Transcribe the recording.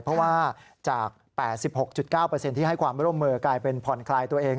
เพราะว่าจาก๘๖๙ที่ให้ความร่วมมือกลายเป็นผ่อนคลายตัวเอง